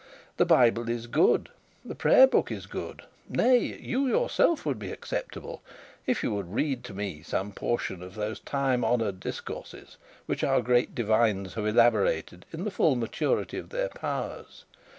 The bible is good, the prayer book is good, nay, you yourself would be acceptable, if you would read to me some portion of those time honoured discourses which our great divines have elaborated in the full maturity of their powers.